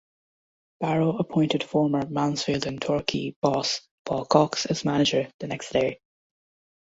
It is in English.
Barrow appointed former Mansfield and Torquay boss Paul Cox as manager the next day.